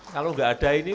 kalau nggak ada insentif